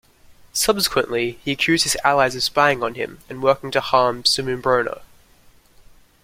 Subsequently, he accused his allies of spying on him and working to harm Samoobrona.